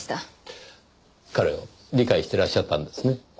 彼を理解してらっしゃったんですね。